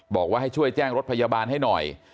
บอกอย่าไปเจ้งรถพยาบาลน้อย